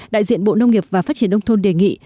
đại diện bộ nông nghiệp và phát triển nông thôn đề nghị